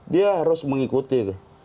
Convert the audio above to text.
dia harus mengikuti